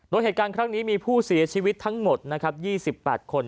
โดยเหตุการณ์ครั้งนี้มีผู้เสียชีวิตทั้งหมดนะครับ๒๘คน